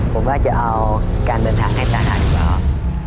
ผมก็จะเอาการเดินทางให้ตาทาดีกว่าครับ